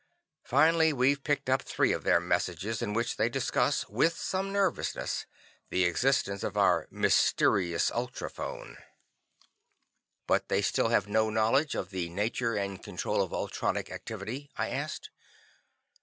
Finally, we've picked up three of their messages in which they discuss, with some nervousness, the existence of our 'mysterious' ultrophone." "But they still have no knowledge of the nature and control of ultronic activity?" I asked.